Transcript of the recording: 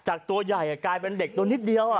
ตัวใหญ่กลายเป็นเด็กตัวนิดเดียว